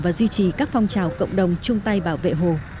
và duy trì các phong trào cộng đồng chung tay bảo vệ hồ